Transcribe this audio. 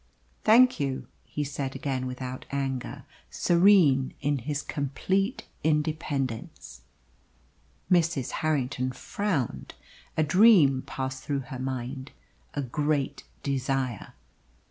"Thank you," he said again without anger, serene in his complete independence. Mrs. Harrington frowned. A dream passed through her mind a great desire.